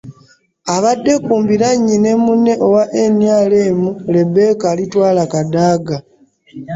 Abadde ku mbiranye ne munne owa NRM, Rebecca Alitwala Kadaga